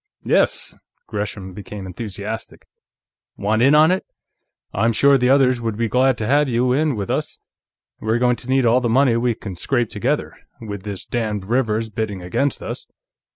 "Yes!" Gresham became enthusiastic. "Want in on it? I'm sure the others would be glad to have you in with us. We're going to need all the money we can scrape together, with this damned Rivers bidding against us."